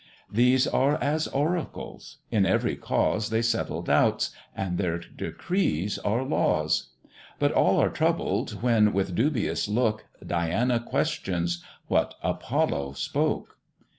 These are as oracles: in every cause They settle doubts, and their decrees are laws; But all are troubled, when, with dubious look, Diana questions what Apollo spoke.